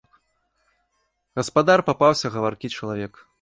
Гаспадар папаўся гаваркі чалавек.